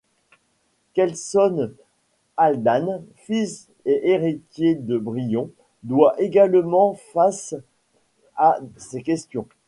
Kelson Haldane, fils et héritier de Brion, doit également face à ces questions.